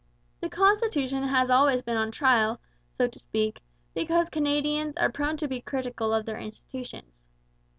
The constitution has always been on trial, so to speak, because Canadians are prone to be critical of their institutions.